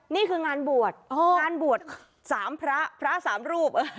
นี่คืองานบวชงานบวช๓พระพระสามรูป